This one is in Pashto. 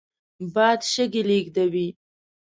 باد شګې لېږدوي